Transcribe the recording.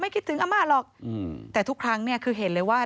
คิดถึงอาม่าหรอกแต่ทุกครั้งเนี่ยคือเห็นเลยว่า